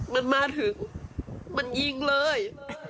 มันมาถึงมันยิงเลย